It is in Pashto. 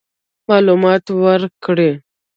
معلومات ورکړي.